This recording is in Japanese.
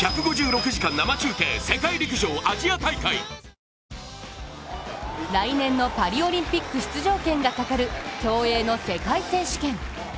ニトリ来年のパリオリンピック出場権がかかる競泳の世界選手権。